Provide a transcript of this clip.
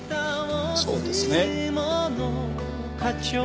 そうですね。